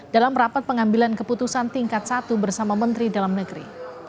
dalam rapat pengambilan keputusan tingkat satu bersama menteri dalam negeri